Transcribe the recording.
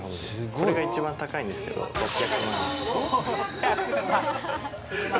これが一番高いんですけど、６００万円。